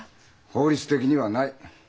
法律的にはない。